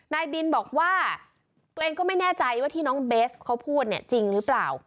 นายบินบอกว่าตัวเองก็ไม่แน่ใจว่าที่น้องเบสเขาพูดเนี่ยจริงหรือเปล่า